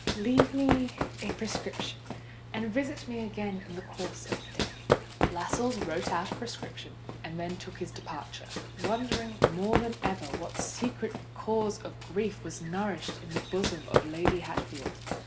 Leave me a prescription, and visit me again in the course of the day." Lascelles wrote out a prescription, and then took his departure, wondering more than ever what secret cause of grief was nourished in the bosom of Lady Hatfield.